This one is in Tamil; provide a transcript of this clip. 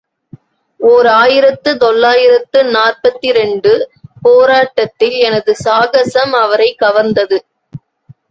ஓர் ஆயிரத்து தொள்ளாயிரத்து நாற்பத்திரண்டு போராட்டத்தில் எனது சாகசம் அவரைக் கவர்ந்திருந்தது.